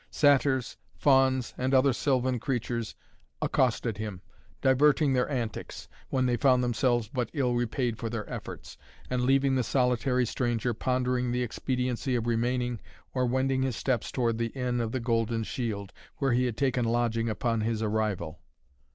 Satyrs, fauns and other sylvan creatures accosted him, diverting their antics, when they found themselves but ill repaid for their efforts, and leaving the solitary stranger pondering the expediency of remaining, or wending his steps toward the Inn of the Golden Shield, where he had taken lodging upon his arrival.